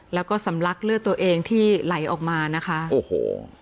แล้วก็สำลักเลือดตัวเองที่ไหลออกมานะคะโอ้โห